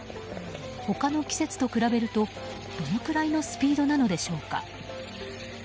他の季節と比べるとどのくらいのスピードなのでしょうか。